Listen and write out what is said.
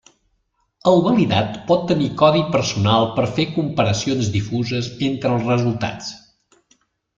El validat pot tenir codi personal per fer comparacions difuses entre els resultats.